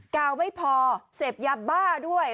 กาวไม่พอเสพยาบ้าด้วย